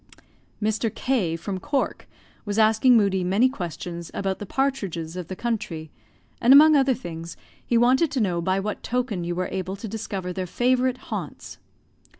Mr. K , from Cork, was asking Moodie many questions about the partidges of the country; and, among other things, he wanted to know by what token you were able to discover their favourite haunts.